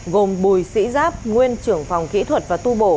gồm bùi sĩ giáp nguyên trưởng phòng kỹ thuật và tu bổ